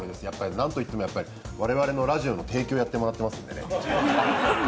なんといっても我々のラジオの提供をやってもらってますんでね。